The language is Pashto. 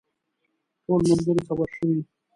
ټول ملګري خبر شوي.